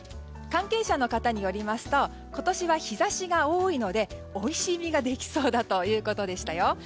関係者の方によりますと今年は日差しが多いのでおいしい実ができそうだということでしたよ。